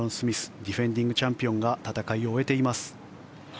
ディフェンディングチャンピオンが戦いを終えています。